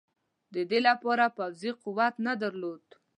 د دې لپاره پوځي قوت نه درلود.